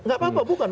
nggak apa apa bukan